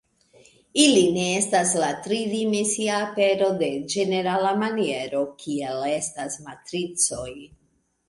Ili ne estas la tri dimensia apero de ĝenerala maniero, kiel estas matricoj.